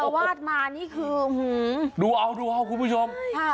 มันอัลวาสมานี่คือดูเอาดูเอาคุณผู้ชม